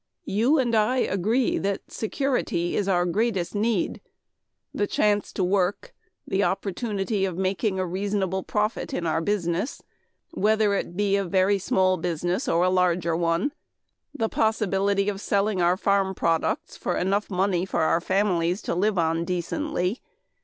You and I agree that security is our greatest need; the chance to work, the opportunity of making a reasonable profit in our business whether it be a very small business or a larger one the possibility of selling our farm products for enough money for our families to live on decently.